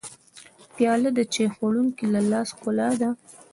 پیاله د چای خوړونکي د لاس ښکلا ده.